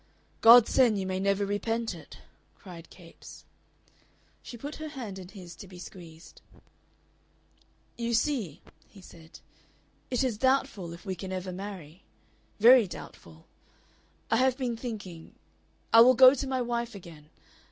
"God send you may never repent it!" cried Capes. She put her hand in his to be squeezed. "You see," he said, "it is doubtful if we can ever marry. Very doubtful. I have been thinking I will go to my wife again.